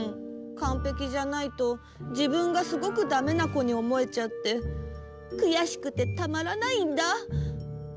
かんぺきじゃないとじぶんがすごくダメなこにおもえちゃってくやしくてたまらないんだ。